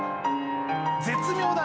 絶妙だね